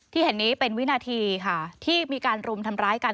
เห็นนี้เป็นวินาทีค่ะที่มีการรุมทำร้ายกัน